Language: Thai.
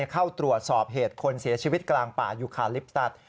เข้าตรวจสอบเหตุคนเสียชีวิตกลางป่ายูคาลิปตัส